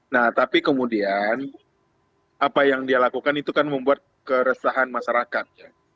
nah tapi kemudian apa yang dia lakukan itu kan membuat keresahan masyarakat